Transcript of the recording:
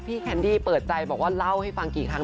แคนดี้เปิดใจบอกว่าเล่าให้ฟังกี่ครั้ง